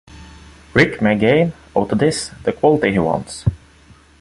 Rick may gain, out of this, the quality he wants.